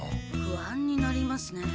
不安になりますね。